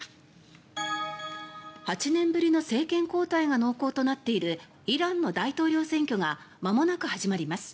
８年ぶりの政権交代が濃厚となっているイランの大統領選挙がまもなく始まります。